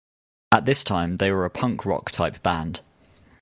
At this time they were a punk rock type band.